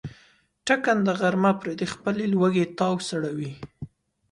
ټکنده غرمه پرې د خپلې لوږې تاو سړوي.